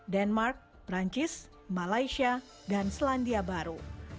denmark perancis malaysia dan selandia baru